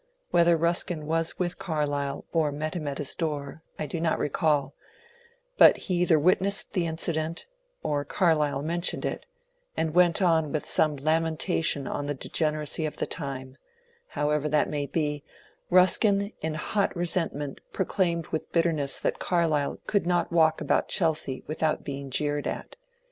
Whether Ruskin was with Carlyle or met him at his door I do not recall, but he either witnessed the incident or Carlyle men tioned it, and went on with some lamentation on the degen eracy of the time; however that may be, Ruskin in hot resentment proclaimed with bitterness that Carlyle could not walk about Chelsea without being jeered at.